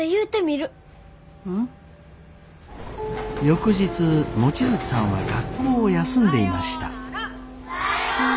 翌日望月さんは学校を休んでいました。